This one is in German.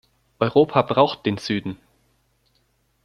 Europa braucht den Süden.